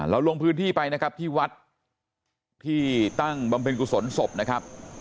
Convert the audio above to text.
ลงพื้นที่ไปนะครับที่วัดที่ตั้งบำเพ็ญกุศลศพนะครับ